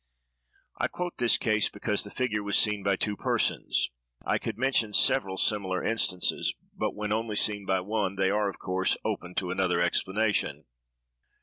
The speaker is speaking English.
I quote this case, because the figure was seen by two persons. I could mention several similar instances, but when only seen by one, they are, of course, open to another explanation.